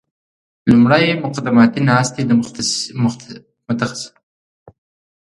لومړی مقدماتي ناستې د متخصصینو لخوا کیږي